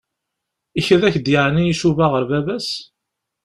Ikad-ak-d yeεni icuba ɣer baba-s?